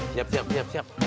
siap siap siap siap